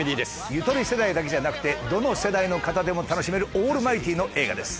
ゆとり世代だけじゃなくてどの世代の方でも楽しめるオールマイティーの映画です。